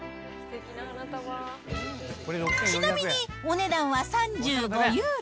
ちなみにお値段は３５ユーロ。